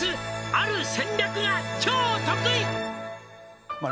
「ある戦略が超得意」